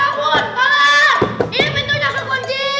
ini pintunya kekunci